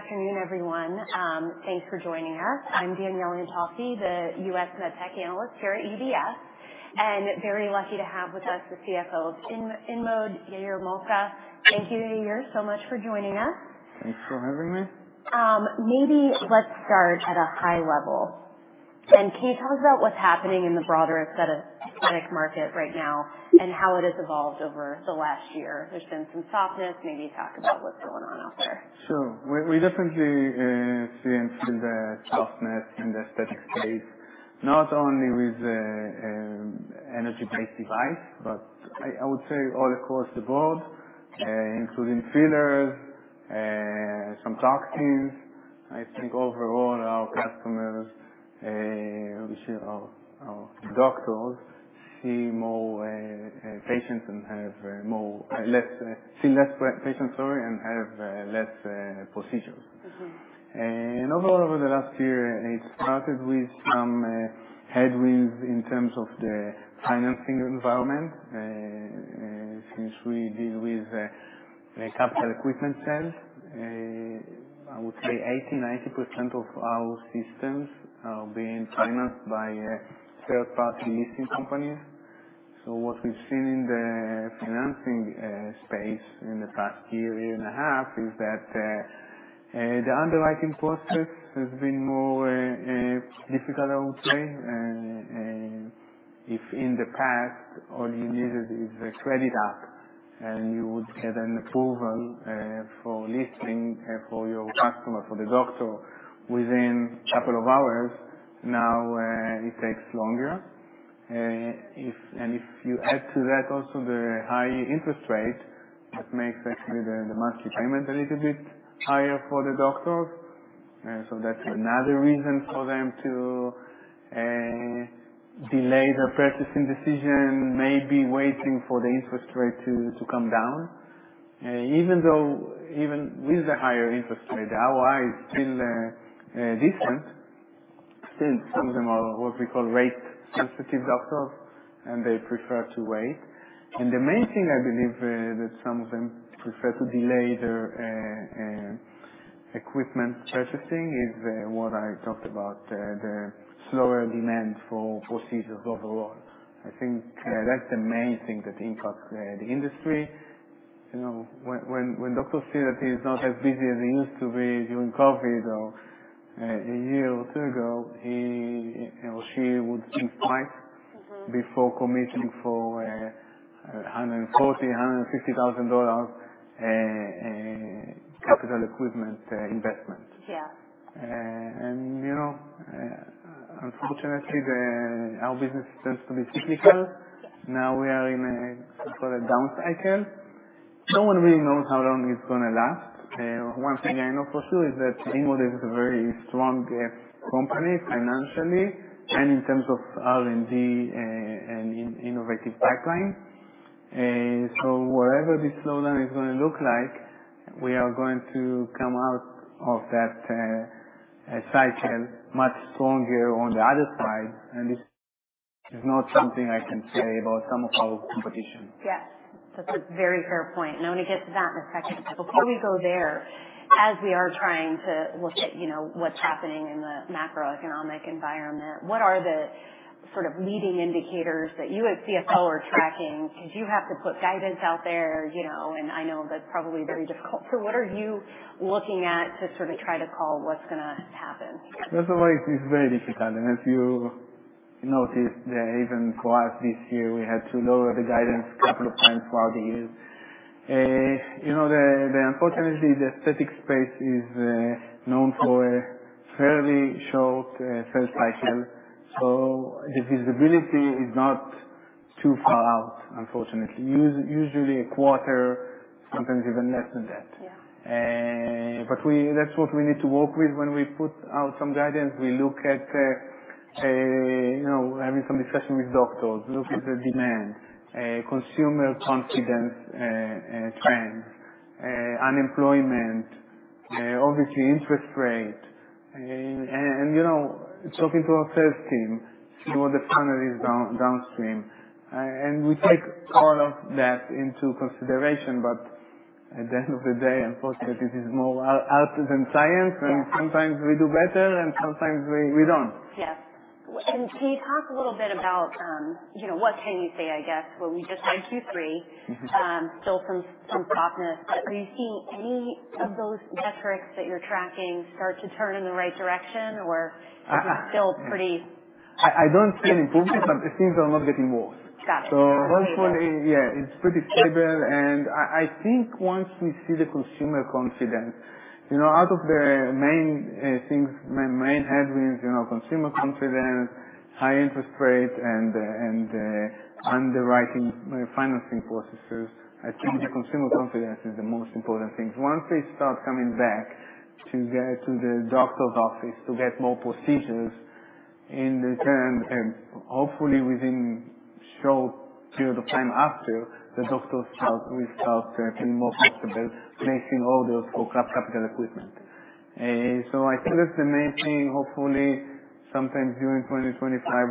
Good afternoon, everyone. Thanks for joining us. I'm Danielle Antonski, the U.S. MedTech analyst here at UBS, and very lucky to have with us the CFO of InMode, Yair Malca. Thank you, Yair, so much for joining us. Thanks for having me. Maybe let's start at a high level. Can you tell us about what's happening in the broader aesthetic market right now and how it has evolved over the last year? There's been some softness. Maybe talk about what's going on out there. Sure. We definitely see and feel the softness in the aesthetic space, not only with energy-based devices, but I would say all across the board, including fillers, some toxins. I think overall our customers, our doctors, see more patients and have less patients, sorry, and have less procedures, and overall, over the last year, it started with some headwinds in terms of the financing environment. Since we deal with capital equipment sales, I would say 80%-90% of our systems are being financed by third-party leasing companies, so what we've seen in the financing space in the past year, year and a half, is that the underwriting process has been more difficult, I would say. If in the past all you needed is a credit app and you would get an approval for listing for your customer, for the doctor, within a couple of hours, now it takes longer. And if you add to that also the high interest rate, that makes actually the monthly payment a little bit higher for the doctors. So that's another reason for them to delay their purchasing decision, maybe waiting for the interest rate to come down. Even though with the higher interest rate, the ROI is still different. Still, some of them are what we call rate-sensitive doctors, and they prefer to wait. And the main thing, I believe, that some of them prefer to delay their equipment purchasing is what I talked about, the slower demand for procedures overall. I think that's the main thing that impacts the industry. When doctors see that he's not as busy as he used to be during COVID or a year or two ago, he or she would hesitate before committing for $140,000-$150,000 capital equipment investment, and unfortunately, our business tends to be cyclical. Now we are in what's called a down cycle. No one really knows how long it's going to last. One thing I know for sure is that InMode is a very strong company financially and in terms of R&D and innovative pipeline. So whatever this slowdown is going to look like, we are going to come out of that cycle much stronger on the other side, and this is not something I can say about some of our competition. Yes. That's a very fair point. And I want to get to that in a second. Before we go there, as we are trying to look at what's happening in the macroeconomic environment, what are the sort of leading indicators that you as CFO are tracking? Because you have to put guidance out there, and I know that's probably very difficult. So what are you looking at to sort of try to call what's going to happen? That's always very difficult, and as you noticed, even for us this year, we had to lower the guidance a couple of times throughout the year. Unfortunately, the aesthetic space is known for a fairly short sales cycle, so the visibility is not too far out, unfortunately. Usually a quarter, sometimes even less than that, but that's what we need to work with when we put out some guidance. We look at having some discussion with doctors, look at the demand, consumer confidence trends, unemployment, obviously interest rate and talking to our sales team, see what the funnel is downstream, and we take all of that into consideration, but at the end of the day, unfortunately, this is more art than science, and sometimes we do better and sometimes we don't. Yes, and can you talk a little bit about what can you see, I guess, where we just had Q3, still some softness? Are you seeing any of those metrics that you're tracking start to turn in the right direction, or is it still pretty? I don't see an improvement, but things are not getting worse. Got it. So hopefully, yeah, it's pretty stable, and I think once we see the consumer confidence, out of the main things, my main headwinds, consumer confidence, high interest rate, and underwriting financing processes, I think the consumer confidence is the most important thing. Once they start coming back to the doctor's office to get more procedures, in return, hopefully within a short period of time after, the doctors will start being more comfortable placing orders for capital equipment, so I think that's the main thing. Hopefully, sometime during 2025,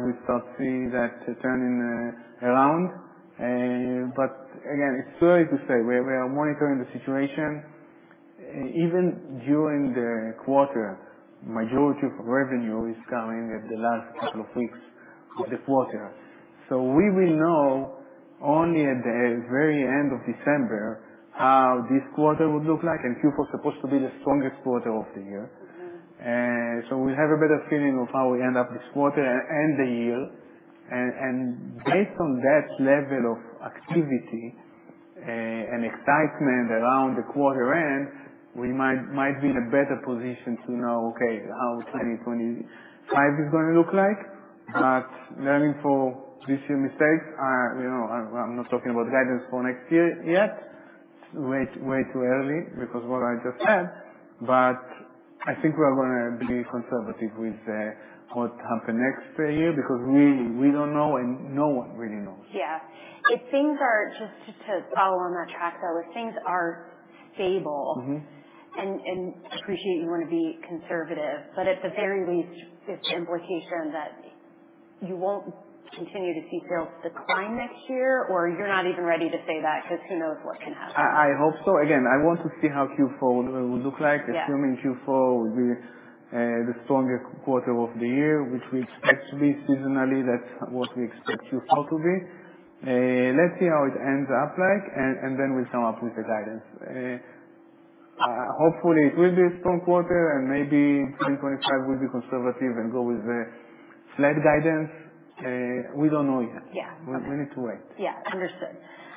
we start seeing that turning around, but again, it's too early to say. We are monitoring the situation. Even during the quarter, majority of revenue is coming at the last couple of weeks of the quarter, so we will know only at the very end of December how this quarter would look like. And Q4 is supposed to be the strongest quarter of the year. So we'll have a better feeling of how we end up this quarter and the year. And based on that level of activity and excitement around the quarter end, we might be in a better position to know, okay, how 2025 is going to look like. But learning from this year's mistakes, I'm not talking about guidance for next year yet. It's way too early because what I just said. But I think we are going to be conservative with what happens next year because we don't know, and no one really knows. Yeah. If things are just to follow on that track, though, if things are stable, and I appreciate you want to be conservative, but at the very least, it's the implication that you won't continue to see sales decline next year, or you're not even ready to say that because who knows what can happen? I hope so. Again, I want to see how Q4 will look like. Assuming Q4 will be the strongest quarter of the year, which we expect to be seasonally, that's what we expect Q4 to be. Let's see how it ends up like, and then we'll come up with the guidance. Hopefully, it will be a strong quarter, and maybe 2025 will be conservative and go with the flat guidance. We don't know yet. We need to wait. Yeah. Understood.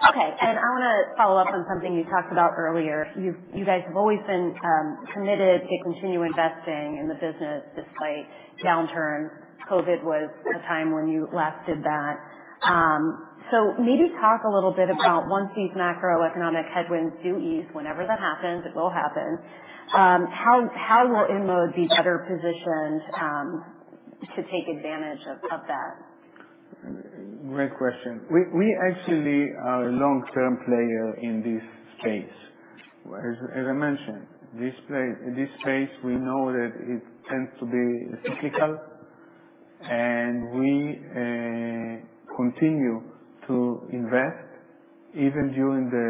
Okay. And I want to follow up on something you talked about earlier. You guys have always been committed to continue investing in the business despite downturns. COVID was a time when you last did that. So maybe talk a little bit about once these macroeconomic headwinds do ease, whenever that happens, it will happen, how will InMode be better positioned to take advantage of that? Great question. We actually are a long-term player in this space. As I mentioned, this space, we know that it tends to be cyclical, and we continue to invest even during the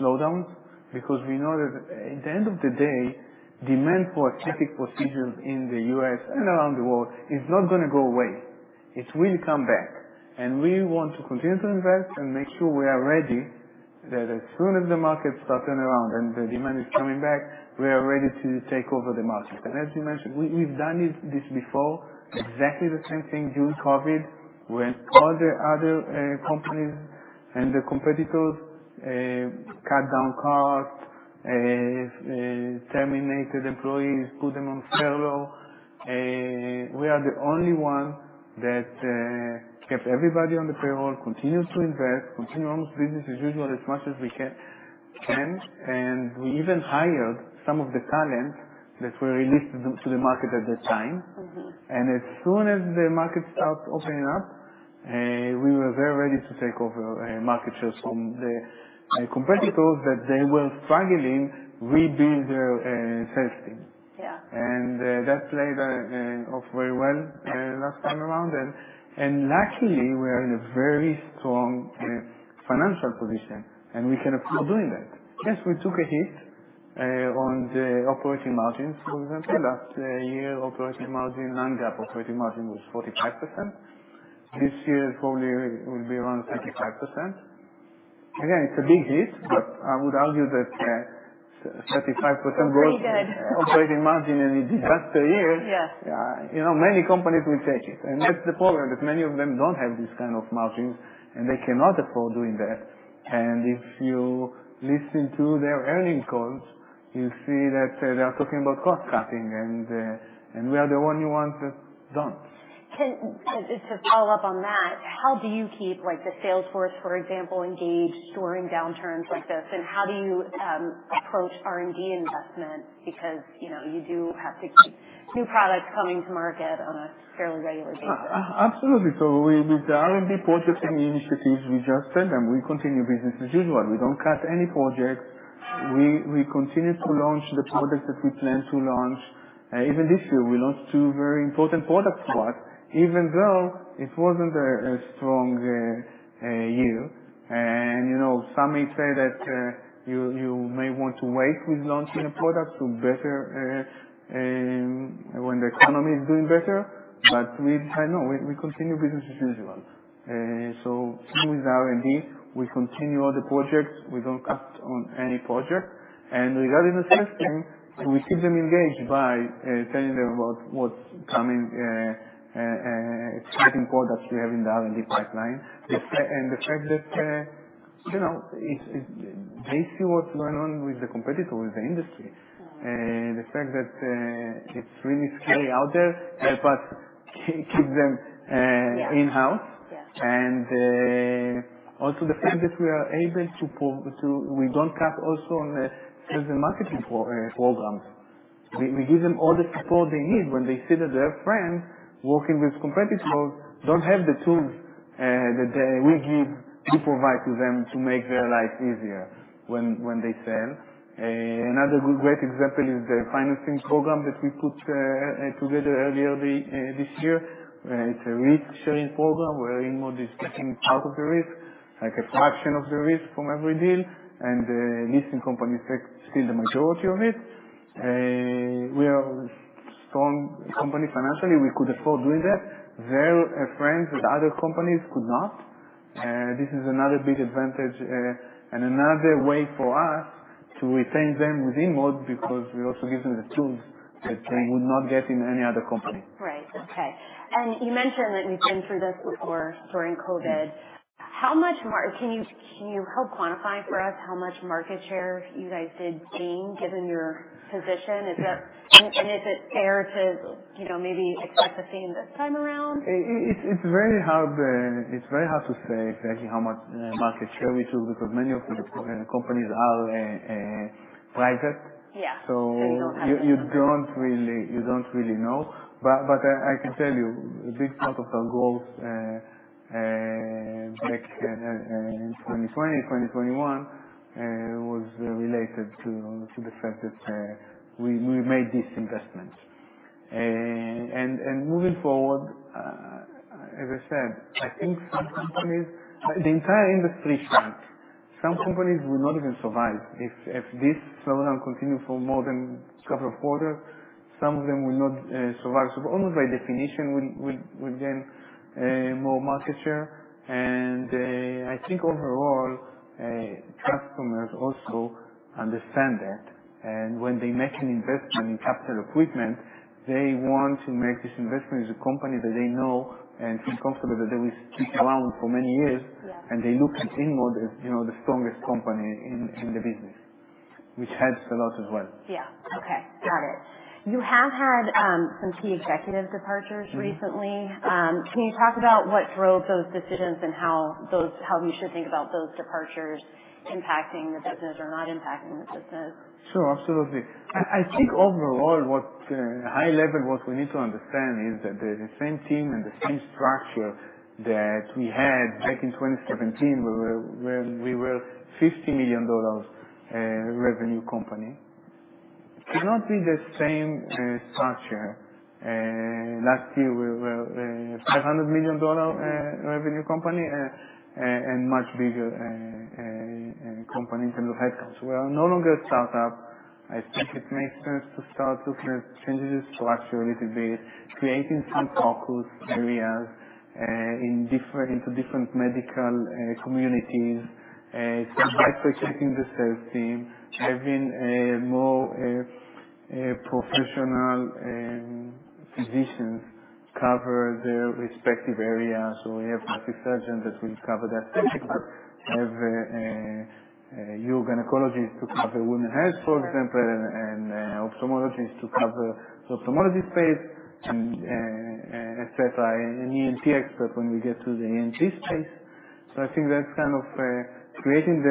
slowdowns because we know that at the end of the day, demand for aesthetic procedures in the U.S. and around the world is not going to go away. It will come back. And we want to continue to invest and make sure we are ready that as soon as the market starts turning around and the demand is coming back, we are ready to take over the market. And as you mentioned, we've done this before, exactly the same thing during COVID. We went to other companies and the competitors cut down costs, terminated employees, put them on furlough. We are the only one that kept everybody on the payroll, continued to invest, continued business as usual as much as we can. And we even hired some of the talent that were released to the market at that time. And as soon as the market starts opening up, we were very ready to take over market shares from the competitors that they were struggling, rebuild their sales team. And that played off very well last time around. And luckily, we are in a very strong financial position, and we can afford doing that. Yes, we took a hit on the operating margins, for example. Last year, operating margin, non-GAAP operating margin was 45%. This year, it probably will be around 35%. Again, it's a big hit, but I would argue that 35% goes to operating margin and it. Last year, many companies will take it. That's the problem that many of them don't have these kinds of margins, and they cannot afford doing that. If you listen to their earnings calls, you see that they are talking about cost cutting, and we are the only ones that don't. To follow up on that, how do you keep the sales force, for example, engaged during downturns like this? And how do you approach R&D investment? Because you do have to keep new products coming to market on a fairly regular basis. Absolutely. So with the R&D purchasing initiatives, we just tell them we continue business as usual. We don't cut any projects. We continue to launch the products that we plan to launch. Even this year, we launched two very important product spots, even though it wasn't a strong year. And some may say that you may want to wait with launching a product when the economy is doing better. But we continue business as usual. So with R&D, we continue all the projects. We don't cut on any project. And regarding the sales team, we keep them engaged by telling them about what's coming, exciting products we have in the R&D pipeline. And the fact that they see what's going on with the competitor, with the industry. The fact that it's really scary out there helps us keep them in-house. And also the fact that we are able to. We don't cut also on the sales and marketing programs. We give them all the support they need when they see that their friends working with competitors don't have the tools that we provide to them to make their life easier when they sell. Another great example is the financing program that we put together earlier this year. It's a risk-sharing program where InMode is taking part of the risk, like a fraction of the risk from every deal. And the leasing companies take still the majority of it. We are a strong company financially. We could afford doing that. Their friends at other companies could not. This is another big advantage and another way for us to retain them with InMode because we also give them the tools that they would not get in any other company. Right. Okay. And you mentioned that we've been through this before during COVID. How much can you help quantify for us how much market share you guys did gain given your position? And is it fair to maybe expect the same this time around? It's very hard to say exactly how much market share we took because many of the companies are private. Yeah. So you don't really know. But I can tell you a big part of our goals back in 2020, 2021 was related to the fact that we made this investment. And moving forward, as I said, I think some companies, the entire industry shrank. Some companies will not even survive. If this slowdown continues for more than a couple of quarters, some of them will not survive. So almost by definition, we'll gain more market share. And I think overall, customers also understand that. And when they make an investment in capital equipment, they want to make this investment in a company that they know and feel comfortable that they will stick around for many years. And they look at InMode as the strongest company in the business, which helps a lot as well. Yeah. Okay. Got it. You have had some key executive departures recently. Can you talk about what drove those decisions and how you should think about those departures impacting the business or not impacting the business? Sure. Absolutely. I think overall, what high-level what we need to understand is that the same team and the same structure that we had back in 2017, when we were a $50 million revenue company, cannot be the same structure. Last year, we were a $500 million revenue company and a much bigger company in terms of headcounts. We are no longer a startup. I think it makes sense to start looking at changing the structure a little bit, creating some focus areas into different medical communities, some bifurcating the sales team, having more professional physicians cover their respective areas. So we have plastic surgeons that will cover that, have urogynecologists to cover women's health, for example, and ophthalmologists to cover the ophthalmology space, etc., and ENT experts when we get to the ENT space. So I think that's kind of creating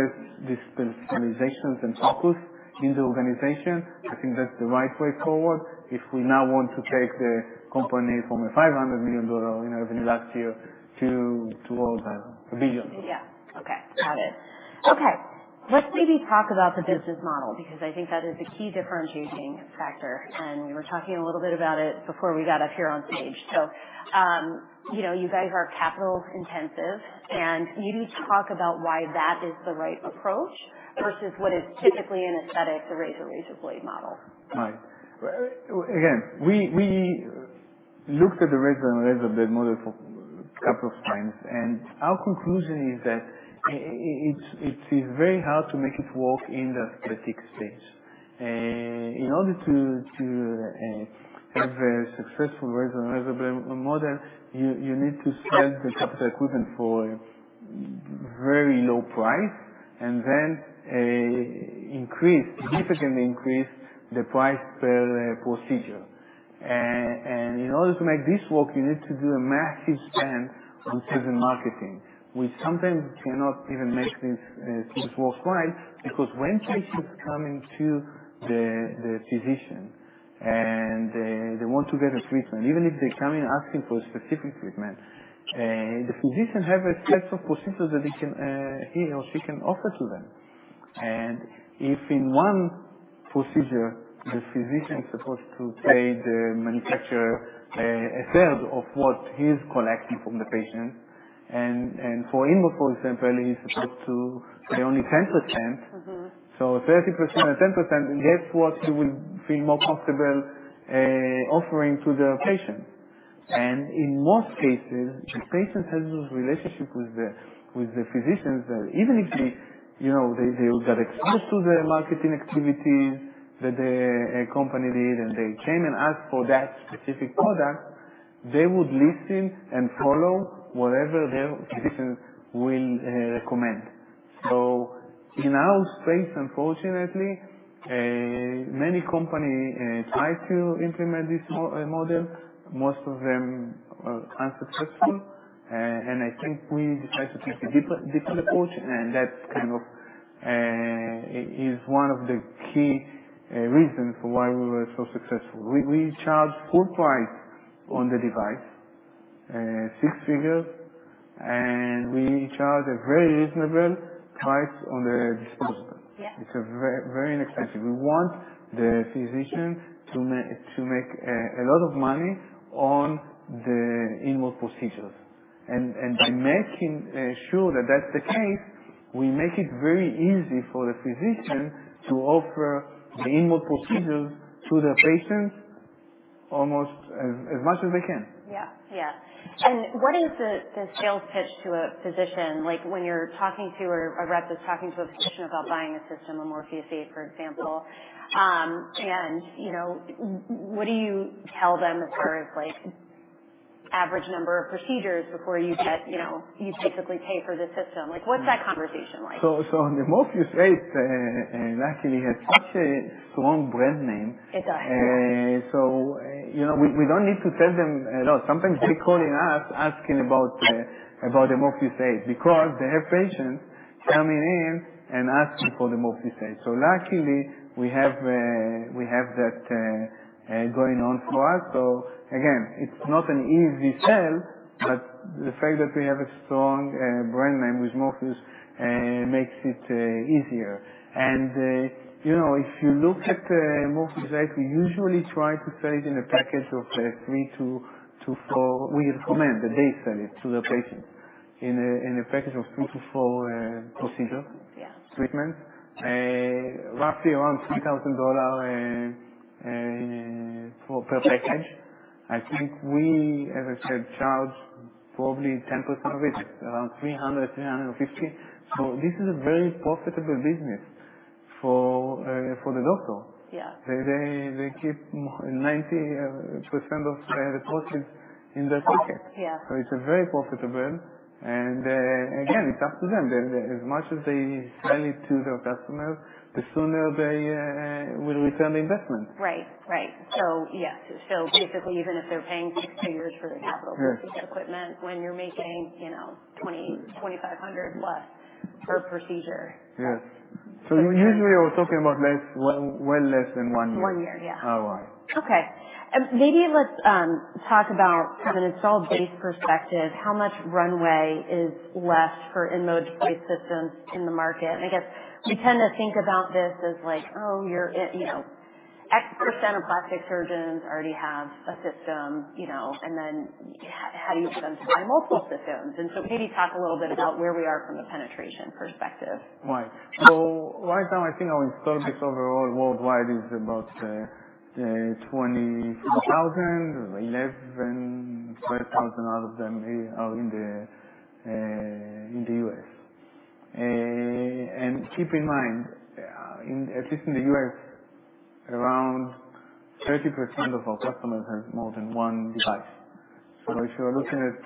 these specializations and focus in the organization. I think that's the right way forward if we now want to take the company from a $500 million revenue last year to all the billions. Yeah. Okay. Got it. Okay. Let's maybe talk about the business model because I think that is the key differentiating factor. And we were talking a little bit about it before we got up here on stage. So you guys are capital-intensive. And maybe talk about why that is the right approach versus what is typically an aesthetic, the razor-razorblade model. Right. Again, we looked at the razor-razorblade model for a couple of times. And our conclusion is that it is very hard to make it work in the aesthetic space. In order to have a successful razor-razorblade model, you need to sell the capital equipment for a very low price and then increase, significantly increase the price per procedure. And in order to make this work, you need to do a massive spend on sales and marketing, which sometimes cannot even make this work right because when patients come into the physician and they want to get a treatment, even if they come in asking for a specific treatment, the physician has a set of procedures that he or she can offer to them. And if in one procedure, the physician is supposed to pay the manufacturer a third of what he is collecting from the patient. For InMode, for example, he's supposed to pay only 10%. So 30% or 10%. Guess what you will feel more comfortable offering to the patient. In most cases, the patient has this relationship with the physicians that even if they got exposed to the marketing activities that the company did and they came and asked for that specific product, they would listen and follow whatever their physician will recommend. In our space, unfortunately, many companies try to implement this model. Most of them are unsuccessful. I think we decided to take a different approach. That kind of is one of the key reasons for why we were so successful. We charge full price on the device, six figures, and we charge a very reasonable price on the disposable. It's very inexpensive. We want the physician to make a lot of money on the InMode procedures. By making sure that that's the case, we make it very easy for the physician to offer the InMode procedures to their patients almost as much as they can. Yeah. Yeah. And what is the sales pitch to a physician? When you're talking to a rep that's talking to a physician about buying a system, a Morpheus8, for example, and what do you tell them as far as average number of procedures before you basically pay for the system? What's that conversation like? The Morpheus8 luckily has such a strong brand name. It does. We don't need to tell them at all. Sometimes they're calling us asking about the Morpheus8 because they have patients coming in and asking for the Morpheus8. So luckily, we have that going on for us. So again, it's not an easy sell, but the fact that we have a strong brand name with Morpheus8 makes it easier. And if you look at Morpheus8, we usually try to sell it in a package of three to four. We recommend that they sell it to their patients in a package of three to four procedures, treatments, roughly around $3,000 per package. I think we, as I said, charge probably 10% of it, around $300-$350. So this is a very profitable business for the doctor. They keep 90% of the profits in their pocket. Yeah. So it's very profitable. And again, it's up to them. As much as they sell it to their customers, the sooner they will return the investment. Right. Right. So yeah. So basically, even if they're paying six figures for the capital procedure equipment, when you're making $2,500 plus per procedure. Yes. So usually, we're talking about well less than one year. One year. Yeah. Right. Okay. Maybe let's talk about from an installed base perspective, how much runway is left for InMode-based systems in the market? And I guess we tend to think about this as like, "Oh, you're X% of plastic surgeons already have a system." And then how do you get them to buy multiple systems? And so maybe talk a little bit about where we are from a penetration perspective. Right. So right now, I think our installed base overall worldwide is about 24,000; 11,000-12,000 out of them are in the U.S. And keep in mind, at least in the U.S., around 30% of our customers have more than one device. So if you're looking at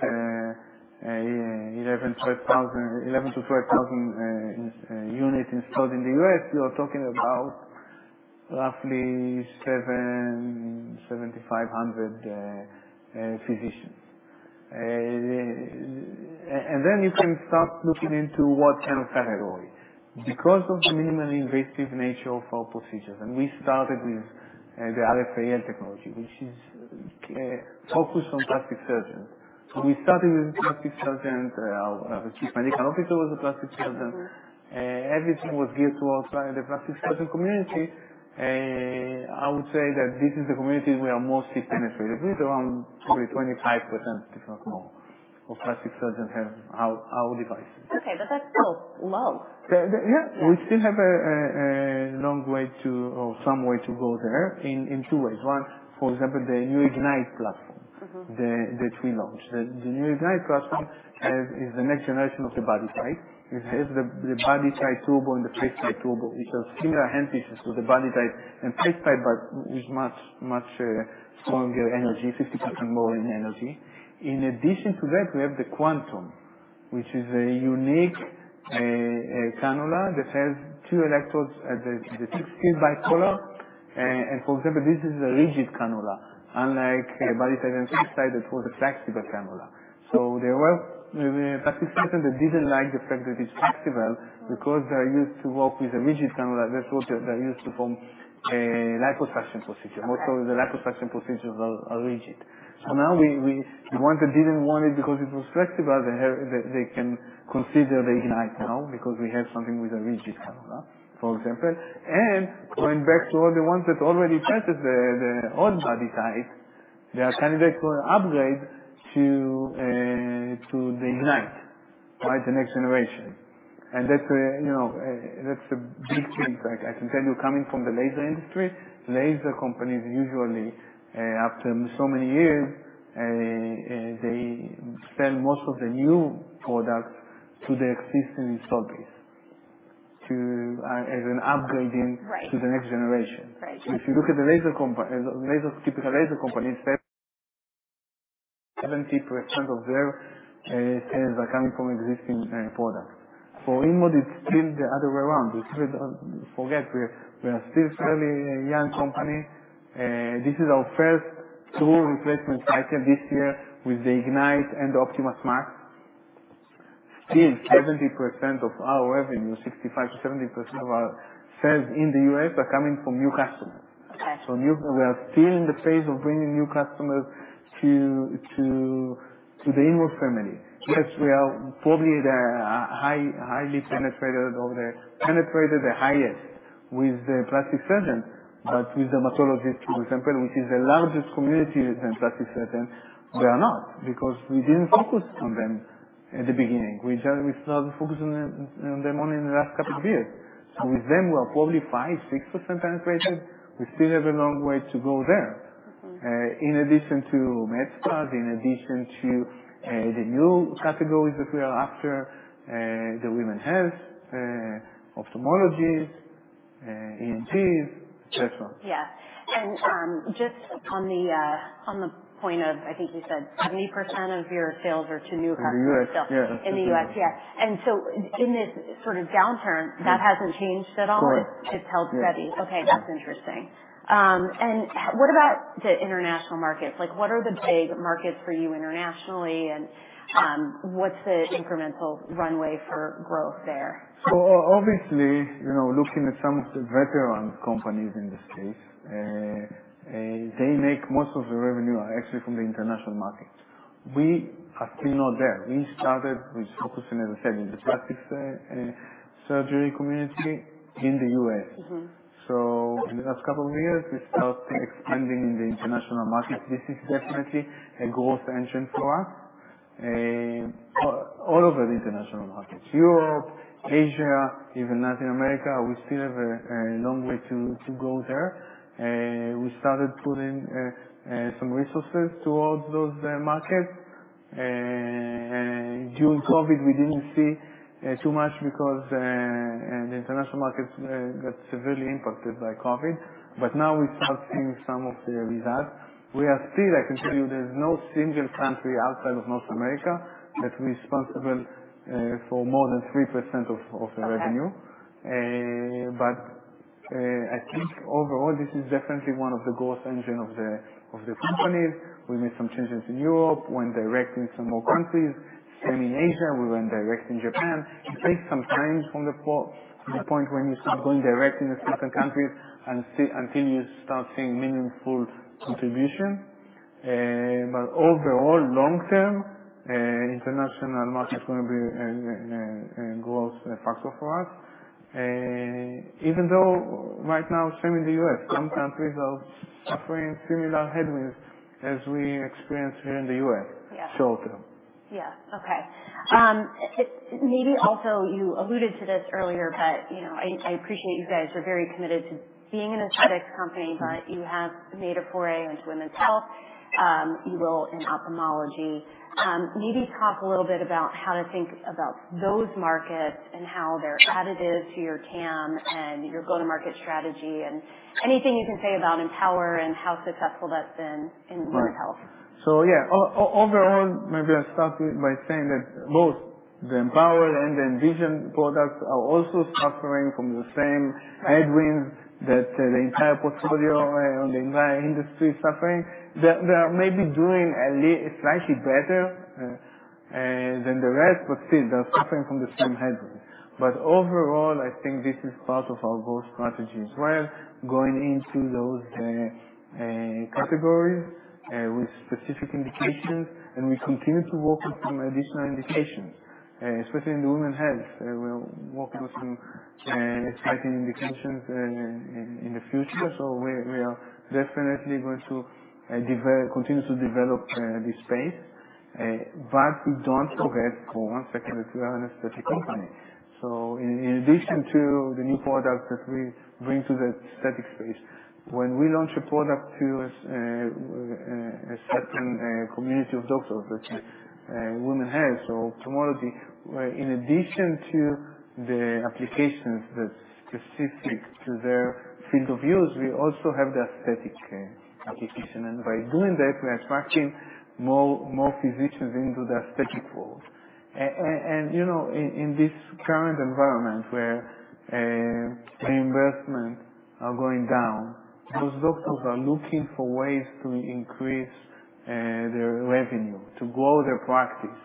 11,000-12,000 units installed in the U.S., you're talking about roughly 7,500 physicians. And then you can start looking into what kind of category. Because of the minimally invasive nature of our procedures, and we started with the RFAL technology, which is focused on plastic surgeons. So we started with plastic surgeons. Our Chief Medical Officer was a plastic surgeon. Everything was geared towards the plastic surgeon community. I would say that this is the community we are mostly penetrated with, around probably 25%, if not more, of plastic surgeons have our devices. Okay. But that's still low. Yeah. We still have a long way to or some way to go there in two ways. One, for example, the new Ignite platform that we launched. The new Ignite platform is the next generation of the BodyTite. It has the BodyTite Turbo and the FaceTite Turbo, which are similar handpieces to the BodyTite and FaceTite, but with much stronger energy, 50% more in energy. In addition to that, we have the Quantum, which is a unique cannula that has two electrodes and the internal cooler. And for example, this is a rigid cannula, unlike BodyTite and FaceTite that was a flexible cannula. So there were plastic surgeons that didn't like the fact that it's flexible because they're used to work with a rigid cannula. That's what they're used to for liposuction procedures. Most of the liposuction procedures are rigid. So now, the ones that didn't want it because it was flexible, they can consider the Ignite now because we have something with a rigid cannula, for example. And going back to all the ones that already purchased the old BodyTite, they are candidates for an upgrade to the Ignite, right, the next generation. And that's a big thing. I can tell you, coming from the laser industry, laser companies usually, after so many years, they sell most of the new products to the existing installed base as an upgrade to the next generation. If you look at the typical laser companies, 70% of their sales are coming from existing products. For InMode, it's still the other way around. We forget we are still a fairly young company. \This is our first true replacement cycle this year with the Ignite and the OptimasMAX.Still, 70% of our revenue, 65%-70% of our sales in the U.S. are coming from new customers. So we are still in the phase of bringing new customers to the InMode family. Yes, we are probably the highly penetrated or the highest with the plastic surgeons, but with dermatologists, for example, which is the largest community than plastic surgeons, we are not because we didn't focus on them at the beginning. We started focusing on them only in the last couple of years. So with them, we are probably 5-6% penetrated. We still have a long way to go there. In addition to med spas, in addition to the new categories that we are after, the women's health, ophthalmologists, ENTs, etc. Yeah, and just on the point of, I think you said 70% of your sales are to new customers in the U.S. In the U.S. Yeah, and so in this sort of downturn, that hasn't changed at all. It's held steady. Correct. Okay. That's interesting. And what about the international markets? What are the big markets for you internationally, and what's the incremental runway for growth there? Obviously, looking at some of the veteran companies in the space, they make most of the revenue actually from the international market. We are still not there. We started with focusing, as I said, in the plastic surgery community in the U.S. So in the last couple of years, we started expanding in the international markets. This is definitely a growth engine for us all over the international markets, Europe, Asia, even Latin America. We still have a long way to go there. We started putting some resources towards those markets. During COVID, we didn't see too much because the international markets got severely impacted by COVID. But now we start seeing some of the results. We are still, I can tell you, there's no single country outside of North America that we're responsible for more than 3% of the revenue. But I think overall, this is definitely one of the growth engines of the company. We made some changes in Europe, went direct in some more countries, same in Asia. We went direct in Japan. It takes some time from the point when you start going direct in certain countries until you start seeing meaningful contribution. But overall, long-term, international markets are going to be a growth factor for us. Even though right now, same in the U.S., some countries are suffering similar headwinds as we experience here in the U.S., short term. Yeah. Okay. Maybe also, you alluded to this earlier, but I appreciate you guys are very committed to being an aesthetics company, but you have made a foray into women's health. You will in ophthalmology. Maybe talk a little bit about how to think about those markets and how they're additive to your TAM and your go-to-market strategy and anything you can say about Empower and how successful that's been in women's health. Yeah. Overall, maybe I'll start by saying that both the Empower and the Envision products are also suffering from the same headwinds that the entire portfolio and the entire industry is suffering. They are maybe doing slightly better than the rest, but still, they're suffering from the same headwinds. Overall, I think this is part of our growth strategy as well, going into those categories with specific indications, and we continue to work with some additional indications, especially in the women's health. We're working with some exciting indications in the future. We are definitely going to continue to develop this space. We don't forget, for one second, that we are an aesthetic company. So in addition to the new products that we bring to the aesthetic space, when we launch a product to a certain community of doctors, let's say, women's health, so ophthalmology, in addition to the applications that are specific to their field of use, we also have the aesthetic application. And by doing that, we are attracting more physicians into the aesthetic world. And in this current environment where reimbursements are going down, those doctors are looking for ways to increase their revenue, to grow their practice.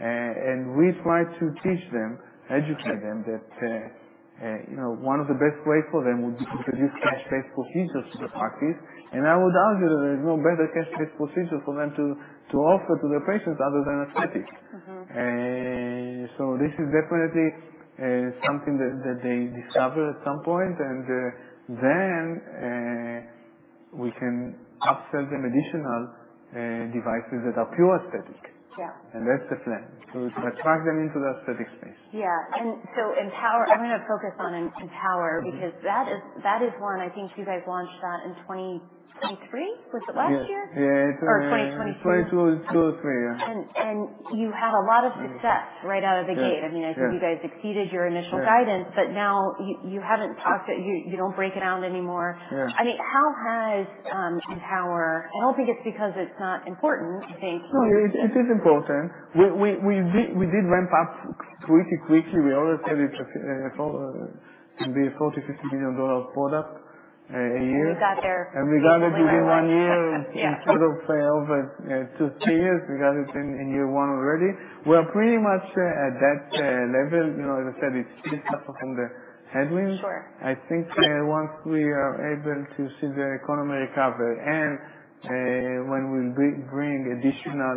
And we try to teach them, educate them that one of the best ways for them would be to produce cash-based procedures for the practice. And I would argue that there's no better cash-based procedure for them to offer to their patients other than aesthetics. This is definitely something that they discover at some point, and then we can upsell them additional devices that are pure aesthetic. That's the plan to attract them into the aesthetic space. Yeah. And so I'm going to focus on Empower because that is one, I think you guys launched that in 2023. Was it last year? Yeah. Or 2022? 2022 or 2023, yeah. And you had a lot of success right out of the gate. I mean, I think you guys exceeded your initial guidance, but now you haven't talked to you don't break it out anymore. I mean, how has Empower? I don't think it's because it's not important. I think. No, it is important. We did ramp up pretty quickly. We always said it can be a $40-$50 million product a year. You got there. We got it within one year. Instead of over two-to-three years, we got it in year one already. We're pretty much at that level. As I said, it's still suffering from the headwinds. I think once we are able to see the economy recover and when we bring additional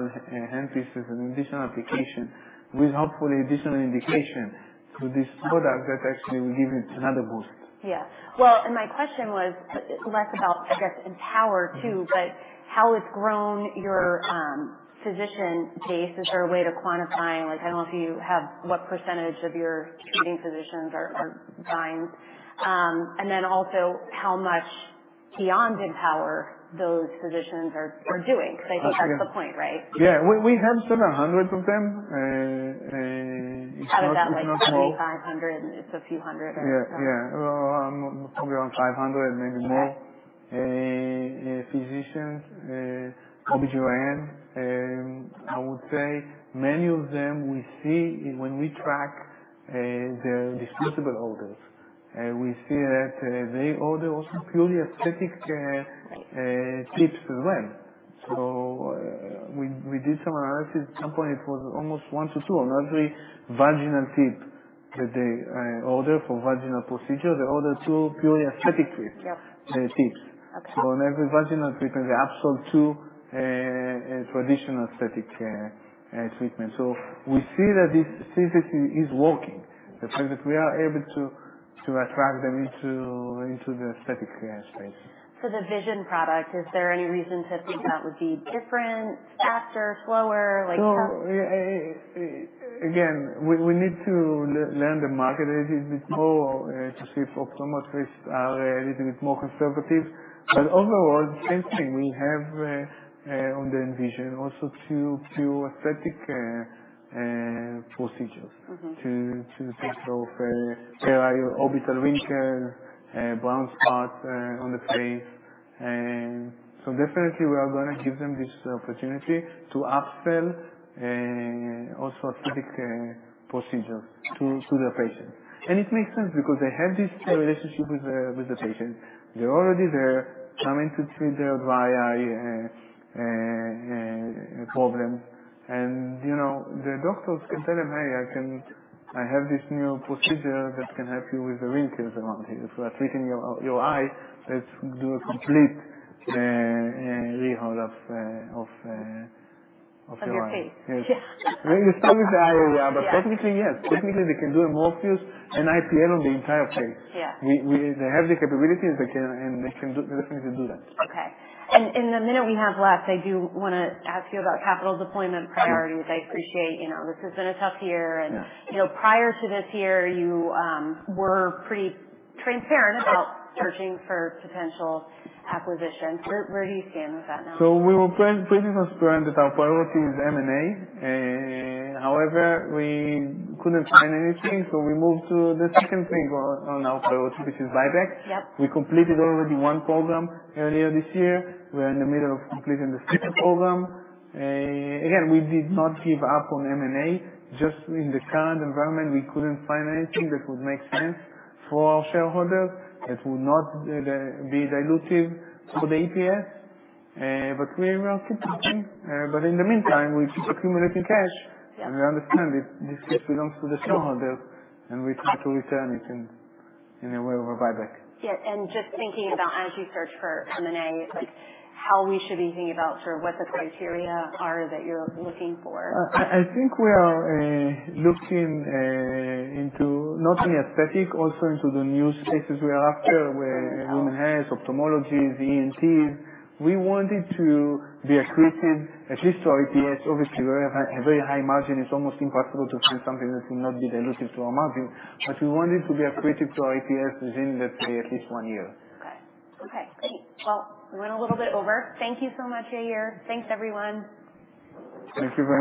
handpieces and additional applications with hopefully additional indication to this product, that actually will give it another boost. Yeah. Well, and my question was less about, I guess, Empower too, but how it's grown your physician base? Is there a way to quantify? I don't know if you have what percentage of your treating physicians are buying? And then also, how much beyond Empower those physicians are doing? Because I think that's the point, right? Yeah. We have 700 of them. How does that look? $7,500, and it's a few hundred or? Yeah. Yeah. Probably around 500, maybe more. Physicians, OB-GYN, I would say, many of them we see when we track their disposable orders. We see that they order also purely aesthetic tips as well. So we did some analysis. At some point, it was almost one to two on every vaginal tip that they order for vaginal procedure. They order two purely aesthetic tips. So on every vaginal treatment, they upsell two traditional aesthetic treatments. So we see that this is working, the fact that we are able to attract them into the aesthetic space. So the Envision product, is there any reason to think that would be different, faster, slower? No. Again, we need to learn the market a little bit more to see if ophthalmologists are a little bit more conservative. But overall, same thing. We have on the Envision also pure aesthetic procedures to think of. There are your orbital wrinkles, brown spots on the face. So definitely, we are going to give them this opportunity to upsell also aesthetic procedures to their patients. And it makes sense because they have this relationship with the patient. They're already there, coming to treat their dry eye problems. And the doctors can tell them, "Hey, I have this new procedure that can help you with the wrinkles around here. If you are treating your eye, let's do a complete rehaul of your eye. On your face. Yes. You start with the eye, yeah. But technically, yes. Technically, they can do a Morpheus, an IPL on the entire face. They have the capabilities, and they can definitely do that. Okay. And in the minute we have left, I do want to ask you about capital deployment priorities. I appreciate this has been a tough year. And prior to this year, you were pretty transparent about searching for potential acquisitions. Where do you stand with that now? So we were pretty transparent that our priority is M&A. However, we couldn't find anything, so we moved to the second thing on our priority, which is buyback. We completed already one program earlier this year. We are in the middle of completing the second program. Again, we did not give up on M&A. Just in the current environment, we couldn't find anything that would make sense for our shareholders that would not be dilutive for the EPS. But we are keeping things. But in the meantime, we keep accumulating cash. And we understand this cash belongs to the shareholders, and we try to return it in a way of a buyback. Yeah. And just thinking about as you search for M&A, how we should be thinking about sort of what the criteria are that you're looking for? I think we are looking into not only aesthetic, also into the new spaces we are after, women's health, ophthalmology, the ENTs. We want it to be accretive at least to our EPS. Obviously, we have a very high margin. It's almost impossible to find something that will not be dilutive to our margin. But we want it to be accretive to our EPS within let's say at least one year. Okay. Okay. Great. Well, we went a little bit over. Thank you so much, Yair. Thanks, everyone. Thank you very much.